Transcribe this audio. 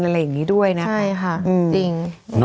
ใช่ค่ะจริง